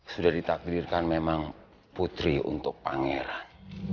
sudah ditakdirkan memang putri untuk pangeran